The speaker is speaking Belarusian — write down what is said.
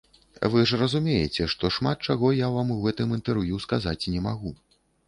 Вы ж разумееце, што шмат чаго я вам у гэтым інтэрв'ю сказаць не магу.